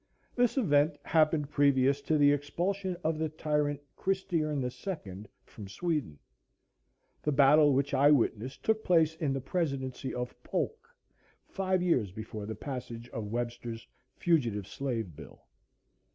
This event happened previous to the expulsion of the tyrant Christiern the Second from Sweden." The battle which I witnessed took place in the Presidency of Polk, five years before the passage of Webster's Fugitive Slave Bill.